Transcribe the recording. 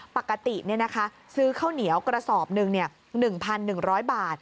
ปกติซื้อข้าวเหนียวกระสอบหนึ่ง๑๑๐๐บาท